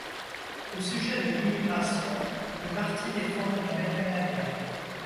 Au sujet de l'immigration, le parti défend le modèle canadien.